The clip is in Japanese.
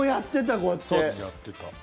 こうやって。